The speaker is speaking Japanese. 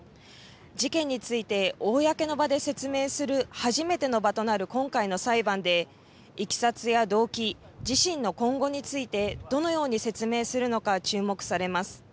事件について公の場で説明する初めての場となる今回の裁判でいきさつや動機、自身の今後についてどのように説明するのか注目されます。